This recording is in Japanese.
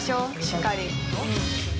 しっかり。